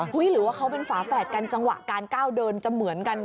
หรือว่าเขาเป็นฝาแฝดกันจังหวะการก้าวเดินจะเหมือนกัน